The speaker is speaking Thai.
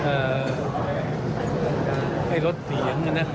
เอ่อให้ลดเสียงนะ